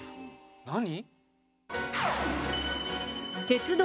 何？